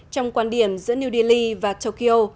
trong quan điểm giữa new delhi và tokyo